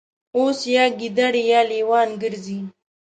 اوس یا ګیدړې یا لېوان ګرځي